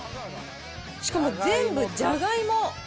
しかも全部じゃがいも。